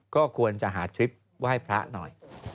ก็ควรจะหาทริปไหว้พระหน่อย